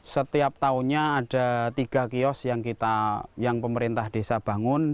setiap tahunnya ada tiga kios yang pemerintah desa bangun